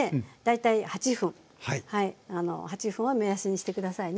８分を目安にして下さいね。